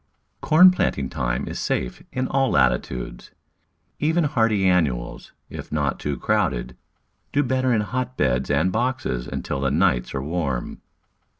Corn planting time is safe in all latitudes. Even hardy annuals, if not too crowded, do better in hotbeds and boxes until the nights are warm.